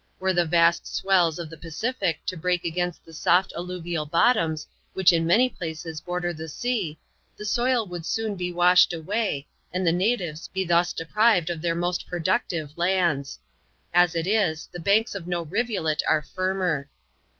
Were the vast swells of the Pacific to break against the soft alluvial bottoms which in many places border the sea, the soil would soon be washed away, and the natives be thus deprived of their most productive lands. As it is, the banks of no rivulet are firmer.